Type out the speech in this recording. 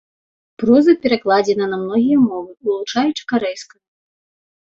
Проза перакладзена на многія мовы, улучаючы карэйскую.